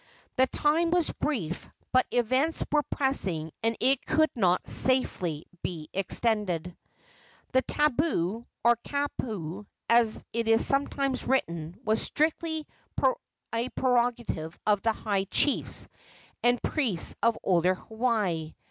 The time was brief, but events were pressing, and it could not safely be extended. The tabu, or kapu, as it is sometimes written, was strictly a prerogative of the high chiefs and priests of olden Hawaii.